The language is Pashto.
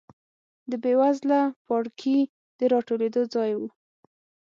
د بېوزله پاړکي د راټولېدو ځای و.